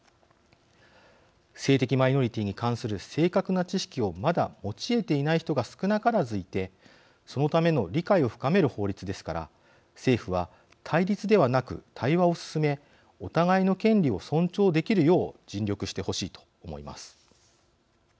性的マイノリティーに関する正確な知識をまだ持ちえていない人が少なからずいてそのための理解を深める法律ですから政府は対立ではなく、対話を進めお互いの権利を尊重できるよう尽力してほしいと思います。